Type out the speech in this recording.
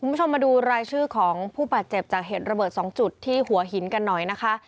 คุณผู้ชมมาดูรายชื่อของผู้บาดเจ็บจากเหตุระเบิด๒จุดที่หัวหินกันหน่อยนะคะ